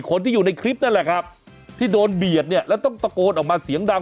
คนที่อยู่ในคลิปนั่นแหละครับที่โดนเบียดเนี่ยแล้วต้องตะโกนออกมาเสียงดัง